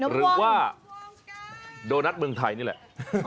หรือว่าโดนัทเมืองไทยนี่แหละ